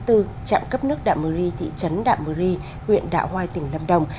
trạm cấp nước đạm mưu ri thị trấn đạm mưu ri huyện đạo hoài tỉnh lâm đồng